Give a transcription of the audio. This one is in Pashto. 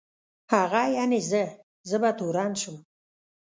هغه یعني زه، زه به تورن شم.